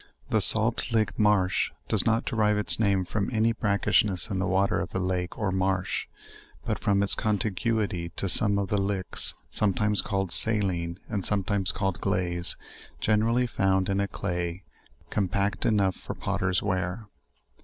The Salt Lick marsh, does not derive its name from any brackishness in the water of the lake or marsh, but from its contiguity to some of the licks, sometimes called "saline," and sometimes 'glaise" generally found in a clay, campact enough for potters ware.